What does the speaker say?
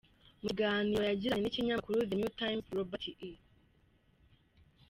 Mu kiganiro yagiranye n’ikinyamakuru The New Times, Robert E.